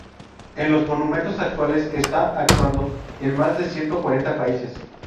En los momentos actuales está actuando en más de ciento cuarenta países.